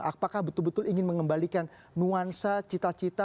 apakah betul betul ingin mengembalikan nuansa cita cita